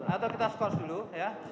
atau kita skors dulu ya